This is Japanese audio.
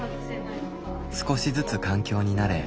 少しずつ環境に慣れ